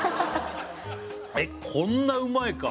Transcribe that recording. えっこんなうまいか？